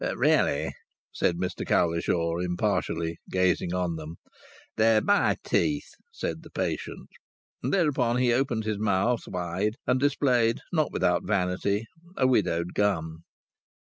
"Really!" said Mr Cowlishaw, impartially, gazing on them. "They're my teeth," said the patient. And thereupon he opened his mouth wide, and displayed, not without vanity, a widowed gum.